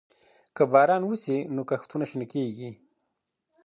که باران وسي، نو کښتونه شنه کيږي.